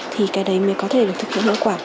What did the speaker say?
thì cái đấy mới có thể được thực hiện hiệu quả